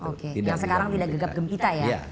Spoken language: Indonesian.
oke yang sekarang tidak gegap gempita ya